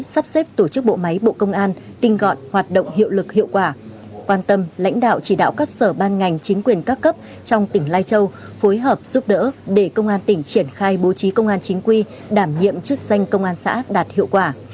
sắp xếp tổ chức bộ máy bộ công an tinh gọn hoạt động hiệu lực hiệu quả quan tâm lãnh đạo chỉ đạo các sở ban ngành chính quyền các cấp trong tỉnh lai châu phối hợp giúp đỡ để công an tỉnh triển khai bố trí công an chính quy đảm nhiệm chức danh công an xã đạt hiệu quả